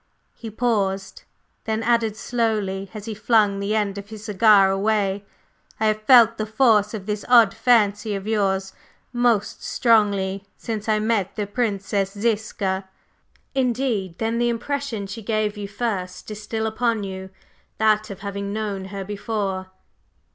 He paused, then added slowly as he flung the end of his cigar away: "I have felt the force of this odd fancy of yours most strongly since I met the Princess Ziska." "Indeed! Then the impression she gave you first is still upon you that of having known her before?"